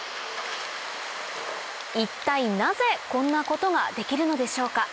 一体なぜこんなことができるのでしょうか？